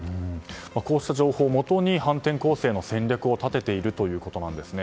こうした情報をもとに反転攻勢の戦略を立てているということなんですね。